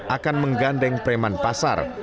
akan menggandeng preman pasar